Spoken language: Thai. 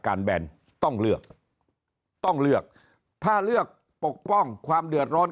แบนต้องเลือกต้องเลือกถ้าเลือกปกป้องความเดือดร้อน